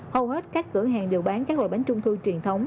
hầu hết các cửa hàng đều bán các loại bánh trung thu truyền thống